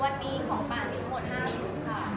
วันนี้ของป่ามีทั้งหมด๕ชุดค่ะ